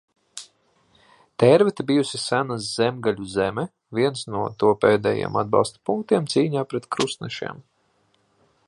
Tērvete bijusi sena zemgaļu zeme, viens no to pēdējiem atbalsta punktiem cīņā pret krustnešiem.